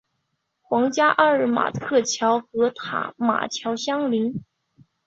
皇家阿尔伯特桥和塔马桥相邻。